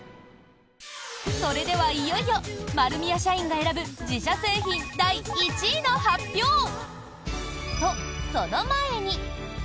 それでは、いよいよ丸美屋社員が選ぶ自社製品第１位の発表！と、その前に。